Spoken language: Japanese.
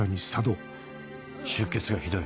出血がひどい。